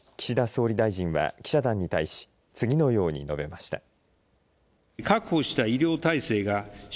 岸田総理大臣は記者団に対し次のように述べました。